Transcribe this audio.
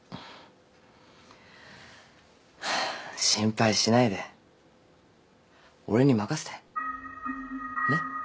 心配しないで俺に任せてねっ。